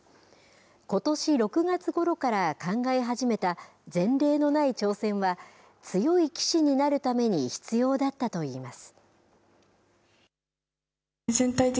ことし６月ごろから考え始めた前例のない挑戦は、強い棋士になるために必要だったといいます。